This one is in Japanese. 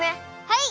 はい！